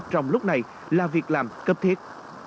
trong lúc này là việc làm cấp thiệt